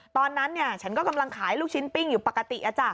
ตอนนั้นฉันก็กำลังขายลูกชิ้นปิ้งอยู่ปกติ